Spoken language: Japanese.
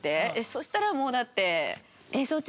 そしたらもうだって。